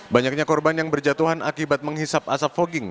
banyaknya korban yang berjatuhan akibat menghisap asap fogging